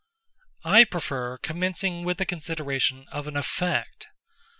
I prefer commencing with the consideration of an effect.